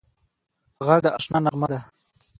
غږ د اشنا نغمه ده